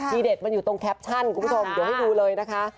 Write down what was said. เด็ดมันอยู่ตรงแคปชั่นคุณผู้ชมเดี๋ยวให้ดูเลยนะคะ